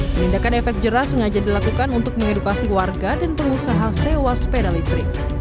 penindakan efek jerah sengaja dilakukan untuk mengedukasi warga dan pengusaha sewa sepeda listrik